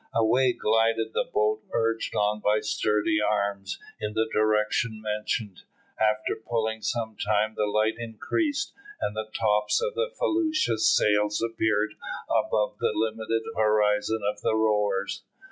Away glided the boat, urged on by sturdy arms, in the direction mentioned. After pulling some time the light increased, and the tops of the felucca's sails appeared above the limited horizon of the rowers.